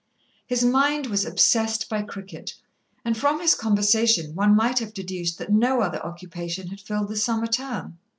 His mind was obsessed by cricket, and from his conversation one might have deduced that no other occupation had filled the summer term.